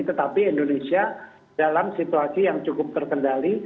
tetapi indonesia dalam situasi yang cukup terkendali